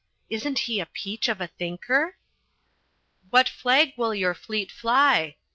Isn't he a peach of a thinker?" "What flag will your fleet fly?"